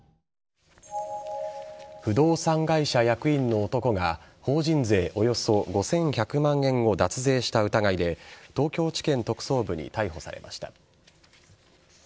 不動産会社役員の男が法人税およそ５１００万円を脱税した疑いで東京地検特捜部に逮捕されました。